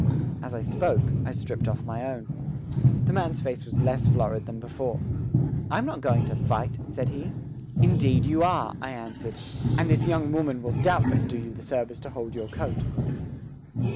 As I spoke, I stripped off my own. The man's face was less florid than before. "I'm not going to fight," said he. "Indeed you are," I answered, "and this young woman will doubtless do you the service to hold your coat."